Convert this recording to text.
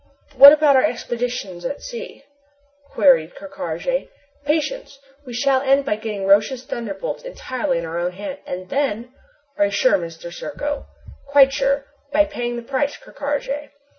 "But what about our expeditions at sea?" queried Ker Karraje. "Patience! We shall end by getting Roch's thunderbolts entirely in our own hand, and then " "Are you sure, Serko?" "Quite sure, by paying the price, Ker Karraje."